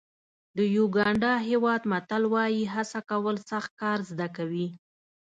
د یوګانډا هېواد متل وایي هڅه کول سخت کار زده کوي.